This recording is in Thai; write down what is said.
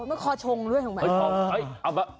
มันคอชงด้วยหรือเปล่า